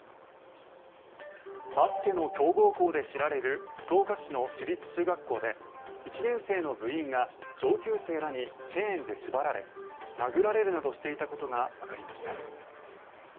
バスケの強豪校で知られる福岡市の私立中学校で１年生の部員が上級生らにチェーンで縛られ殴られるなどしていたことがわかりました。